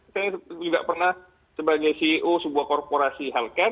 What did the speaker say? saya juga pernah sebagai ceo sebuah korporasi health care